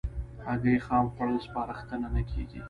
هګۍ خام خوړل سپارښتنه نه کېږي.